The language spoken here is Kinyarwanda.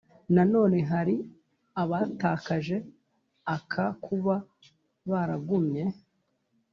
Nanone hari abatakaje aka kuba baragumye